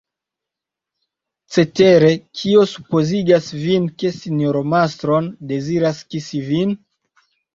Cetere, kio supozigas vin, ke sinjoro Marston deziras kisi vin?